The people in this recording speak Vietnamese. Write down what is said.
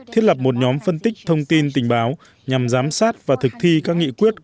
thiết lập một nhóm phân tích thông tin tình báo nhằm giám sát và thực thi các nghị quyết